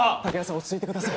落ち着いてください。